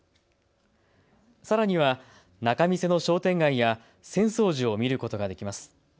さらには仲見世の商店街や浅草寺を見ることができます。